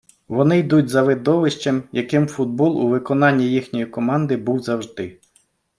Вони йдуть за видовищем, яким футбол у виконанні їхньої команди був завжди.